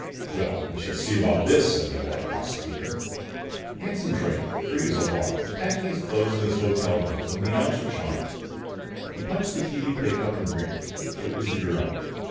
"Well! We shall see about this!" said the Lord Prosecutor. Anson Drake, free as a lark, was packing his clothes in his hotel room when the announcer chimed. He punched the TV pickup and grinned. It was the girl.